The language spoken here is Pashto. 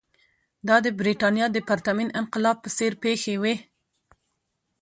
دا د برېټانیا د پرتمین انقلاب په څېر پېښې وې.